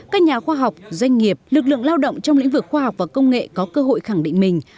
các nhà khoa học doanh nghiệp lực lượng lao động trong lĩnh vực khoa học và công nghệ có cơ hội khẳng định mình